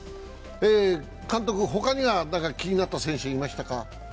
他には気になった選手いましたか？